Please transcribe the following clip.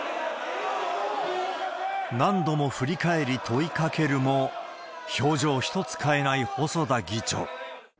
何度も振り返り問いかけるも、表情一つ変えない細田議長。